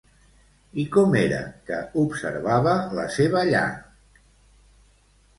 I com era què observava la seva llar?